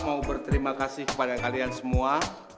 mau berterima kasih kepada kalian semua